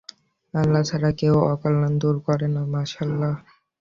আল্লাহ ছাড়া কেউ অকল্যাণ দূর করে না-মাশাআল্লাহ।